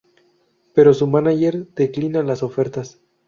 Pero su mánager declina las ofertas.